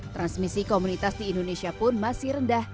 transmisi komunitas di indonesia pun masih rendah